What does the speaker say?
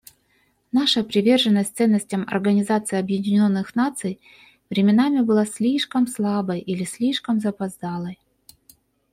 Наша приверженность ценностям Организации Объединенных Наций временами была слишком слабой или слишком запоздалой.